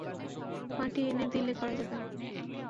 মাটি এনে দিলে করা যাবে।